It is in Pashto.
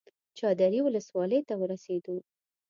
چادرې ولسوالۍ ته ورسېدو.